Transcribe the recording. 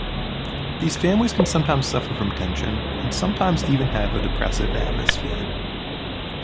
These families can sometimes suffer from tension and sometimes even have a depressive atmosphere.